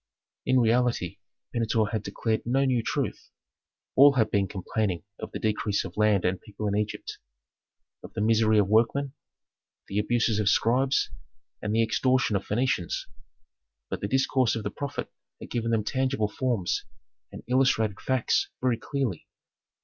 In reality Pentuer had declared no new truth; all had been complaining of the decrease of land and people in Egypt, of the misery of workmen, the abuses of scribes, and the extortion of Phœnicians. But the discourse of the prophet had given them tangible forms, and illustrated facts very clearly.